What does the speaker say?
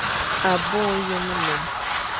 À bôe ôyo melom,